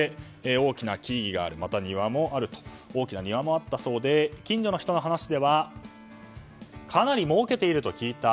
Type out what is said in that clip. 大きな木々がある大きな庭もあったそうで近所の人の話ではかなりもうけていると聞いた。